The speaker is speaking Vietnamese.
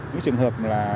những trường hợp là